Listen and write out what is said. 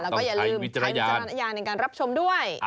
ต้องใช้วิจารณญาณในการรับชมด้วย